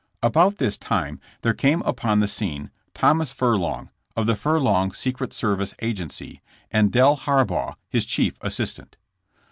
About this time there came upon the scene Thomas Furlong, of the Furlong Secret Service Agency, and Del Harbaugh, his chief assistant.